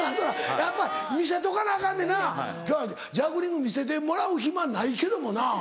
やっぱ見せとかなアカンねんな。今日ジャグリング見せてもらう暇ないけどもな。